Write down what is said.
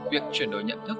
việc truyền đổi nhận thức